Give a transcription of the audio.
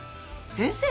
先生？